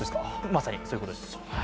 まさにそういうことです。